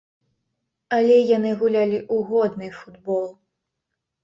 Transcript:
Але яны гулялі ў годны футбол.